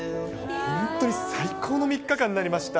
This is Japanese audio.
本当に最高の３日間になりました。